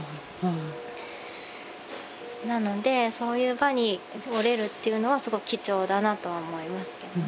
なのでそういう場におれるっていうのはすごく貴重だなとは思いますけどね。